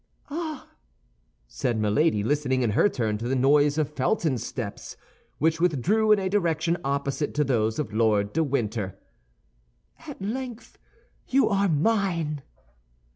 "Ah!" said Milady, listening in her turn to the noise of Felton's steps, which withdrew in a direction opposite to those of Lord de Winter; "at length you are mine!"